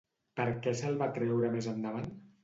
Per què se'l van treure més endavant?